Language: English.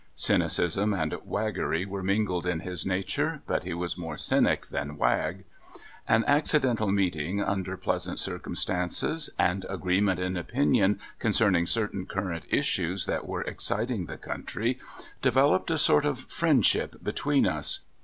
Cynicism and waggery were mingled in his nature, but he was more cynic than wag. An accidental meeting under pleasant circumstances, and agree ment in opinion concerning certain current issues that were exciting the country, developed a sort cf friendship between us.